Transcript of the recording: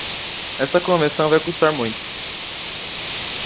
Esta convenção vai custar muito.